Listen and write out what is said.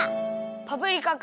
パプリカか。